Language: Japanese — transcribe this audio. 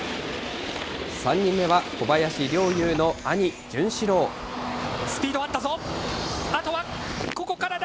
３人目は、小林陵侑の兄、スピードはあったぞ。